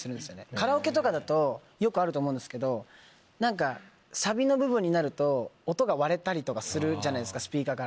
カラオケとかだとよくあると思うんですけど何かサビの部分になると音が割れたりとかスピーカーから。